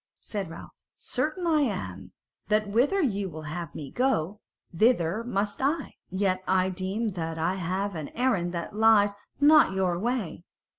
Said Ralph: "Certain I am that whither ye will have me go, thither must I; yet I deem that I have an errand that lies not your way.